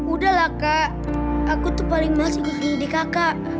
udah lah kak aku tuh paling males ikut gini di kakak